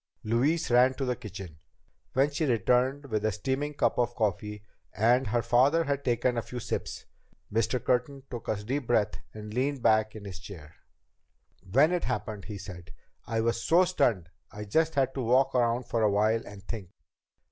Louise ran to the kitchen. When she returned with a steaming cup of coffee, and her father had taken a few sips, Mr. Curtin took a deep breath and leaned back in his chair. "When it happened," he said, "I was so stunned I just had to walk around for a while and think."